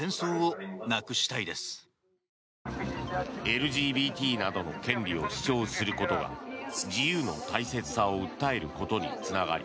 ＬＧＢＴなどの権利を主張することが自由の大切さを訴えることにつながり